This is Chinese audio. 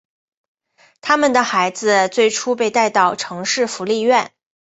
他们的孩子最初被带到城市福利院。